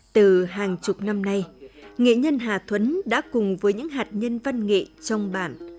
từ hàng chục năm nay nghệ nhân hà thuấn đã cùng với những hạt nhân văn nghệ trong bản